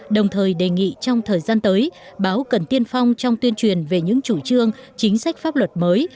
đồng thời đề nghị trong thời gian tới báo cần tiên phong trong tuyên truyền về những chủ trương chính sách pháp luật mới